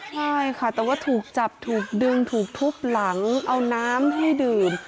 ใช่ค่ะแต่ว่าถูกจับถูกดึงถูกทุบหลังเอาน้ำให้ดื่ม